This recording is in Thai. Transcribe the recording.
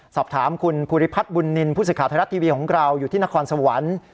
สอบถามคุณภูริพัทรบุรินินผู้สึกขาวไทยรัฐทีวีอยู่ที่นครสวรรค์